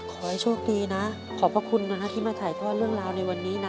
ขอให้โชคดีนะขอบพระคุณนะฮะที่มาถ่ายทอดเรื่องราวในวันนี้นะ